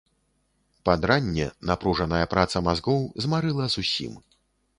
Пад ранне напружная праца мазгоў змарыла зусім.